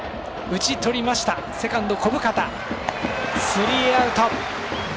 スリーアウト。